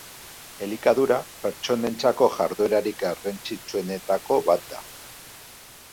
Elikadura, pertsonentzako jarduerarik garrantzitsuenetako bat da.